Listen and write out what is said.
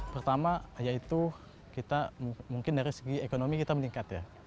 pertama yaitu kita mungkin dari segi ekonomi kita meningkat ya